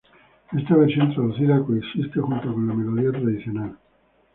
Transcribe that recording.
Esta versión traducida coexiste junto con la melodía tradicional.